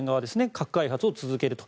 核開発を続けると。